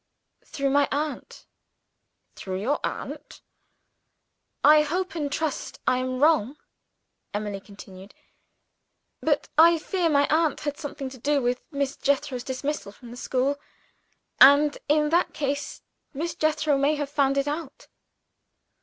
"Through my aunt." "Through your aunt?" "I hope and trust I am wrong," Emily continued; "but I fear my aunt had something to do with Miss Jethro's dismissal from the school and in that case Miss Jethro may have found it out."